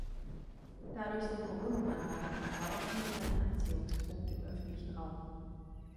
Dadurch sind Brunnenanlagen auch weiterhin ein Anziehungspunkt im öffentlichen Raum.